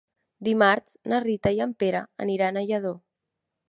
Dimarts na Rita i en Pere aniran a Lladó.